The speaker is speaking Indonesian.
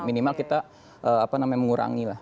minimal kita apa namanya mengurangi lah